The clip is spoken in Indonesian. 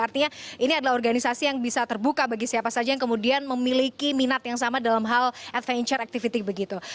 artinya ini adalah organisasi yang bisa terbuka bagi siapa saja yang kemudian memiliki minat yang sama dalam hal adventure activity begitu